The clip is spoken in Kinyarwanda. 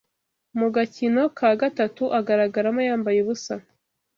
Mu gakino ka gatatu agaragaramo yambaye ubusa